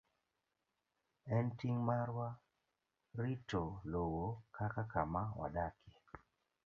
En ting' marwa rito lowo kaka kama wadakie.